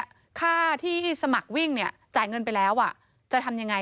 ค่าที่สมัครวิ่งเนี่ยจ่ายเงินไปแล้วจะทำยังไง